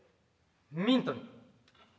ミントに。